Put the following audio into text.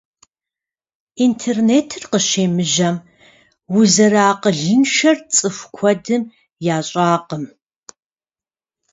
Интернетыр къыщемыжьэм, узэрыакъылыншэр цӏыху куэдым ящӏакъым.